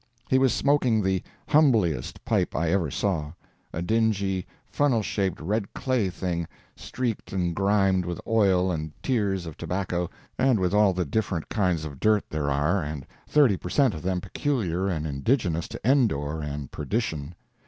He was smoking the "humbliest" pipe I ever saw a dingy, funnel shaped, red clay thing, streaked and grimed with oil and tears of tobacco, and with all the different kinds of dirt there are, and thirty per cent. of them peculiar and indigenous to Endor and perdition.